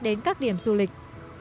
đến các điểm du lịch